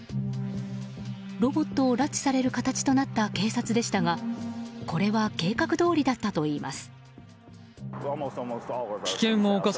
ロボットを拉致される形となった警察でしたがこれは計画どおりだったといいます。